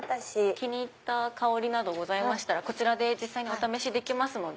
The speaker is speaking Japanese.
気に入った香りございましたらこちらでお試しできますので。